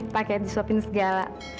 pakai disuapin segala